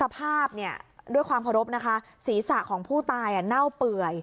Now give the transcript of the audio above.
สภาพเนี่ยด้วยความเคารพนะคะศีรษะของผู้ตายเน่าเปื่อย